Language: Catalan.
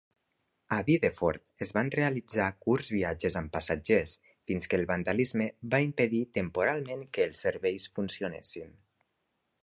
A Bideford es van realitzar curts viatges amb passatgers fins que el vandalisme va impedir temporalment que els serveis funcionessin.